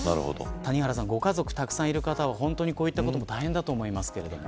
谷原さんご家族たくさんいる方はこういったこともサインだと思いますけど。